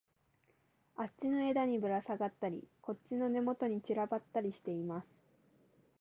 あっちの枝にぶらさがったり、こっちの根元に散らばったりしています